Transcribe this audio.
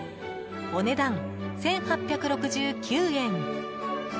お値段、１８６９円。